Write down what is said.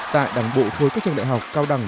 tại đảng bộ khối các trường đại học cao đẳng